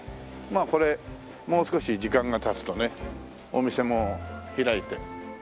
まあこれもう少し時間が経つとねお店も開いて。